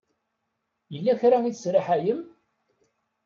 Yella kra i tesraḥayem?